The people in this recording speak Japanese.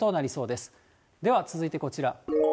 では続いてこちら。